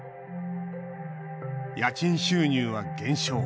家賃収入は減少。